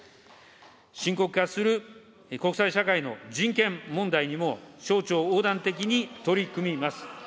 深刻化する国際社会の人権問題にも、省庁横断的に取り組みます。